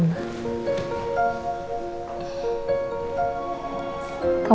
mas kamu sudah pulang